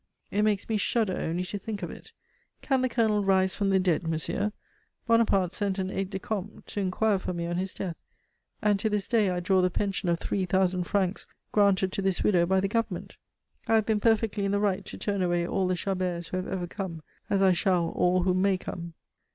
It makes me shudder only to think of it. Can the Colonel rise from the dead, monsieur? Bonaparte sent an aide de camp to inquire for me on his death, and to this day I draw the pension of three thousand francs granted to this widow by the Government. I have been perfectly in the right to turn away all the Chaberts who have ever come, as I shall all who may come."